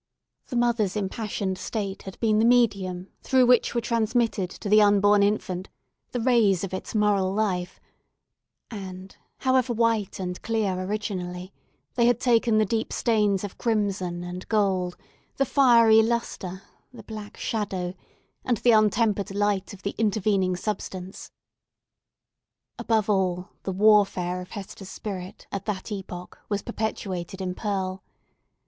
The mother's impassioned state had been the medium through which were transmitted to the unborn infant the rays of its moral life; and, however white and clear originally, they had taken the deep stains of crimson and gold, the fiery lustre, the black shadow, and the untempered light of the intervening substance. Above all, the warfare of Hester's spirit at that epoch was perpetuated in Pearl.